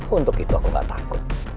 untuk itu aku gak takut